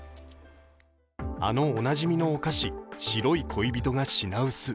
あのおなじみのお菓子白い恋人が品薄。